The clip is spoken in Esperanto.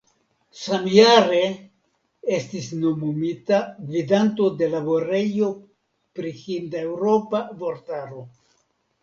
Samjare estis nomumita gvidanto de Laborejo pri Hindeŭropa Vortaro.